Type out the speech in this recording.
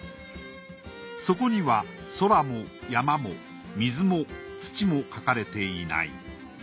そこには空も山も水も土も描かれていない。